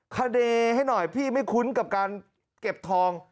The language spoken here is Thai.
คาเดย์ให้หน่อยพี่ไม่คุ้นกับการเก็บทอง